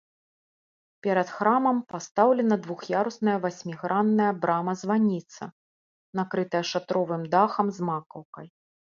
Перад храмам пастаўлена двух'ярусная васьмігранная брама-званіца, накрытая шатровым дахам з макаўкай.